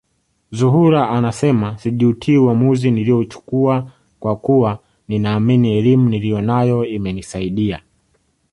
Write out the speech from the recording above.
Zuhura anasema sijutii uamuzi niliouchukua kwa kuwa ninaamini elimu niliyonayo imenisaidia